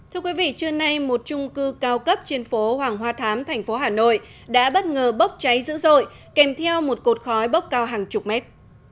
thưa quý vị trưa nay một trung cư cao cấp trên phố hoàng hoa thám thành phố hà nội đã bất ngờ bốc cháy dữ dội kèm theo một cột khói bốc cao hàng chục mét